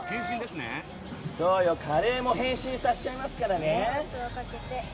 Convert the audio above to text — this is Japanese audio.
カレーも変身させちゃいますからね。